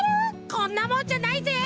こんなもんじゃないぜ！